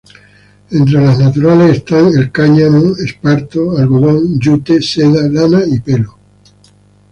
Entre las naturales están el cáñamo, esparto, algodón, yute, seda, lana, y pelo.